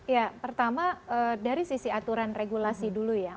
ya pertama dari sisi aturan regulasi dulu ya